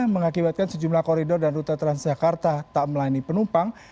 mengakibatkan sejumlah koridor dan rute transjakarta tak melayani penumpang